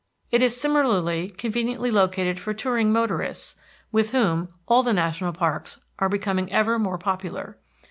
It is similarly conveniently located for touring motorists, with whom all the national parks are becoming ever more popular.